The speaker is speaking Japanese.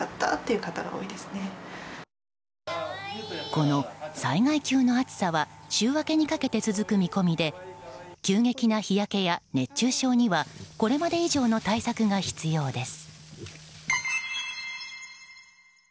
この災害級の暑さは週明けにかけて続く見込みで急激な日焼けや熱中症にはこれまで以上の対策が必要です。